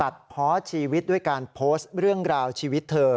ตัดเพาะชีวิตด้วยการโพสต์เรื่องราวชีวิตเธอ